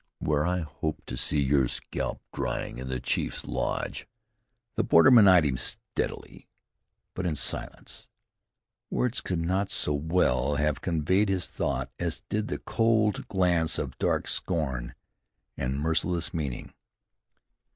"Where I hope to see your scalp drying in the chief's lodge." The borderman eyed him steadily; but in silence. Words could not so well have conveyed his thought as did the cold glance of dark scorn and merciless meaning.